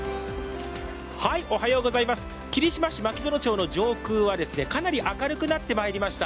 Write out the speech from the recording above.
霧島市牧園町の上空はかなり明るくなってまいりました。